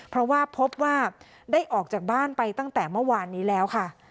เพราะว่าพบว่าได้ออกจากบ้านไปตั้งแต่เมื่อวานนี้แล้วค่ะ